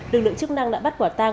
đường lượng chức năng đã bắt quả tăng